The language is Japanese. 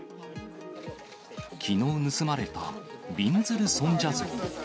きのう盗まれたびんずる尊者像。